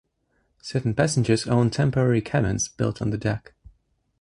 Certain passengers own temporary cabins built on the deck.